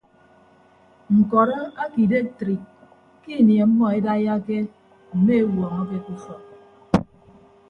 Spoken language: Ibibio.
Ñkọrọ ake idektrik ke ini ọmmọ edaiyake mme ewuọñọke ke ufọk.